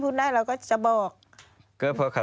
ควิทยาลัยเชียร์สวัสดีครับ